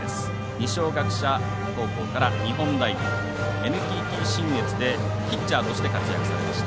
二松学舎高校から日本大学ＮＴＴ信越でピッチャーとして活躍されました。